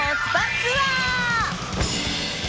ツアー。